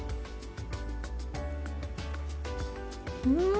うん！